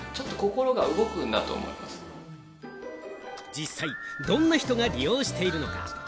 実際、どんな人が利用しているのか？